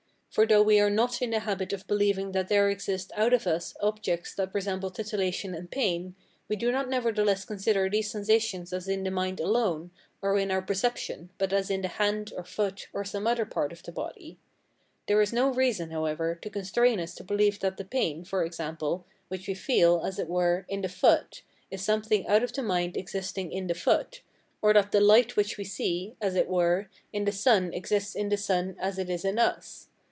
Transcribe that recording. For though we are not in the habit of believing that there exist out of us objects that resemble titillation and pain, we do not nevertheless consider these sensations as in the mind alone, or in our perception, but as in the hand, or foot, or some other part of our body. There is no reason, however, to constrain us to believe that the pain, for example, which we feel, as it were, in the foot is something out of the mind existing in the foot, or that the light which we see, as it were, in the sun exists in the sun as it is in us.